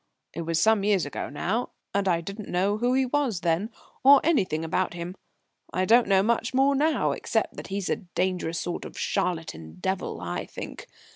"It was some years ago now, and I didn't know who he was then, or anything about him. I don't know much more now except that he's a dangerous sort of charlatan devil, I think.